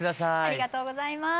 ありがとうございます。